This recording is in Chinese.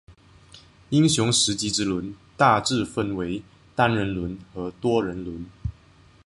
英雄时机之轮大致分为单人轮和多人轮。